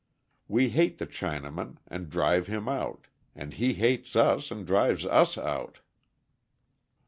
We hate the Chinaman and drive him out, and he hates us and drives us out.